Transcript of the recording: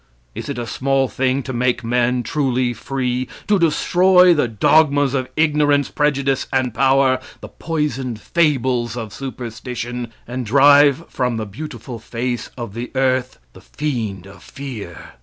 Is it a small thing to make men truly free, to destroy the dogmas of ignorance, prejudice, and power, the poisoned fables of superstition, and drive from the beautiful face of the earth the fiend of fear?